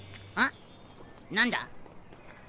何だ？